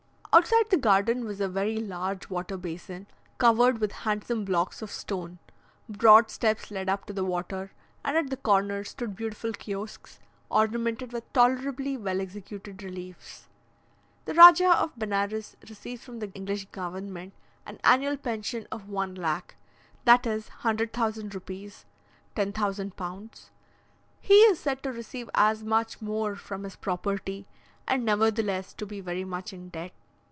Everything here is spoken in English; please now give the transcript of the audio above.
Outside the garden was a very large water basin, covered with handsome blocks of stone; broad steps led up to the water, and at the corner stood beautiful kiosks, ornamented with tolerably well executed reliefs. The Rajah of Benares receives from the English government an annual pension of one lac, that is, 100,000 rupees (10,000 pounds). He is said to receive as much more from his property, and nevertheless to be very much in debt.